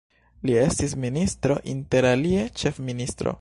Li estis ministro, interalie ĉefministro.